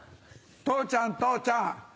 父ちゃん父ちゃん